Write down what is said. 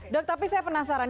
dok tapi saya penasaran